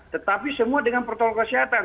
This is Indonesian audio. tetapi semua dengan protokol kesehatan